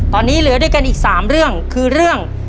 ตอนนี้เหลือด้วยกันอีก๓เรื่องคือเรื่อง